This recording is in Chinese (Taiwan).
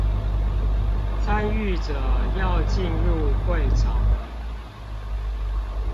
參與者要進入會場了